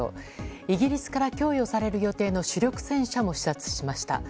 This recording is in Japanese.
イギリスから供与される予定の主力戦車も視察しました。